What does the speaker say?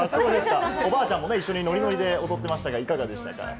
おばあちゃんもノリノリで踊っていましたが、いかがですか？